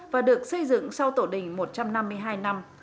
và được xây dựng sau tổ đình một trăm năm mươi hai năm